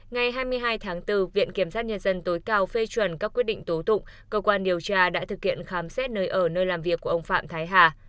ngày hai mươi hai tháng bốn viện kiểm sát nhân dân tối cao phê chuẩn các quyết định tố tụng cơ quan điều tra đã thực hiện khám xét nơi ở nơi làm việc của ông phạm thái hà